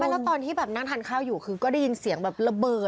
แล้วตอนที่แบบนั่งทานข้าวอยู่คือก็ได้ยินเสียงแบบระเบิด